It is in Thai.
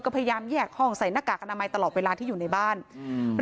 ก็พยายามแยกห้องใส่หน้ากากอนามัยตลอดเวลาที่อยู่ในบ้านอืม